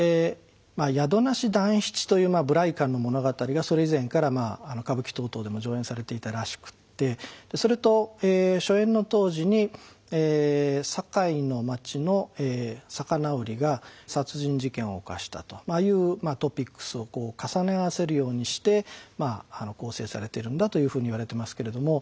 宿無団七という無頼漢の物語がそれ以前から歌舞伎等々でも上演されていたらしくってそれと初演の当時に堺の町の魚売りが殺人事件を犯したというトピックスを重ね合わせるようにして構成されているんだというふうに言われてますけれども。